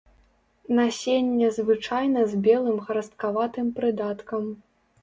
Насенне звычайна з белым храсткаватым прыдаткам.